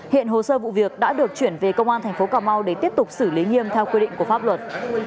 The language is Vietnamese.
hiện hồ sơ vụ việc đã được chuyển về công an thành phố cà mau để tiếp tục xử lý nghiêm theo quy định của pháp luật